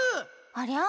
ありゃ？